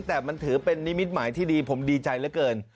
แต่มันถือเป็นนิมิตหมายที่ดีผมดีใจเหลือเกิน